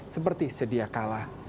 seperti sedia kalah